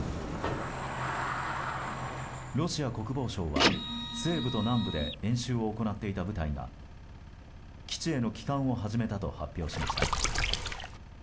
ロシア国防省は西部と南部で演習を行っていた部隊が基地への帰還を始めたと発表しました。